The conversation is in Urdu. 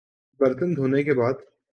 برتن دھونے کے بعد